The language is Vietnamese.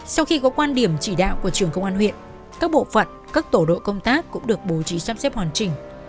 sau khi có quan điểm chỉ đạo của trưởng công an huyện các bộ phận các tổ đội công tác cũng được bố trí sắp xếp hoàn chỉnh